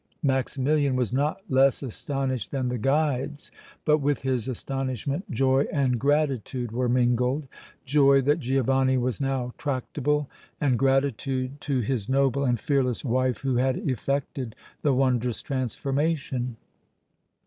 Maximilian was not less astonished than the guides, but with his astonishment joy and gratitude were mingled joy that Giovanni was now tractable and gratitude to his noble and fearless wife who had effected the wondrous transformation.